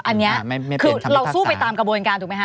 อันนี้คือเราสู้ไปตามกระบวนการถูกไหมคะ